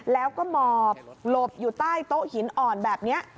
แล้วก็หมอบหลบอยู่ใต้โต๊ะหินอ่อนแบบนี้